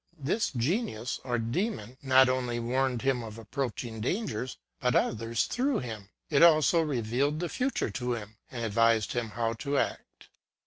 This genius, or demon, not only warned him of approaching dangers, but others through him : it also revealed the future to him, and advised him how to act.